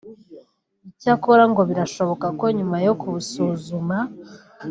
Icyakora ngo birashoboka ko nyuma yo kubusuzuma